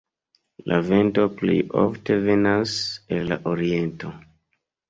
La vento plej ofte venas el la oriento.